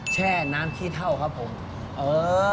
แช่น้ำขี้เท่าครับผมเออ